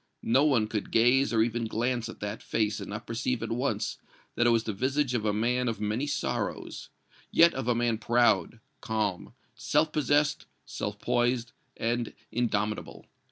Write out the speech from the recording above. No one could gaze or even glance at that face and not perceive at once that it was the visage of a man of many sorrows yet of a man proud, calm, self possessed, self poised and indomitable.